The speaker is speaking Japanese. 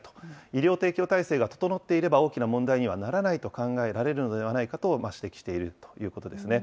医療提供体制が整っていれば、大きな問題にはならないと考えられるのではないかと指摘しているということですね。